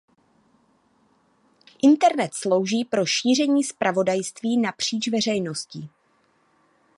Internet slouží pro šíření zpravodajství napříč veřejností.